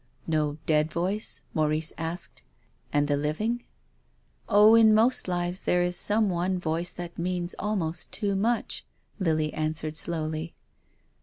•' No dead voice ?" Maurice asked. " And the ivmg ?" Oh, in most lives there is some one voice that means almost too much," Lily answered slowly.